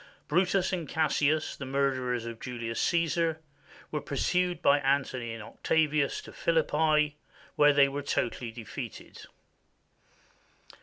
Brutus and Cassius, the murderers of Julius Caesar, were pursued by Antony and Octavius to Philippi, where they were totally defeated.